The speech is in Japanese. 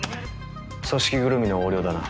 組織ぐるみの横領だな。